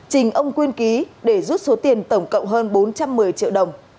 trình ông quyên ký để rút số tiền tổng cộng hơn bốn trăm một mươi triệu đồng